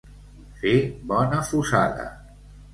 Fer bona fusada.